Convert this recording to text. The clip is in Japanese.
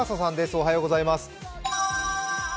おはようございます。